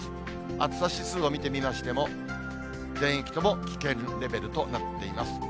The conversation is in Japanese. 暑さ指数を見てみましても、全域とも危険レベルとなっています。